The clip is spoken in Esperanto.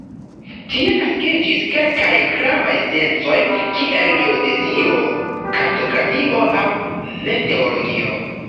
Tie naskiĝis kelkaj gravaj sciencoj kiel geodezio, kartografio aŭ meteologio.